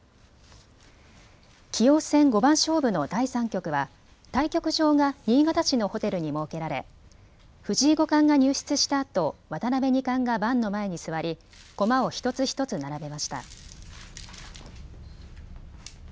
棋王戦五番勝負の第３局は対局場が新潟市のホテルに設けられ藤井五冠が入室したあと渡辺二冠が盤の前に座り駒を一つ一つ並べました。